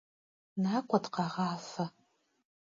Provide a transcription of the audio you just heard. Nak'ue dıkheğafe!